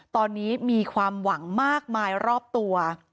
ตอนนี้มีความหวังมากมายรอบตัว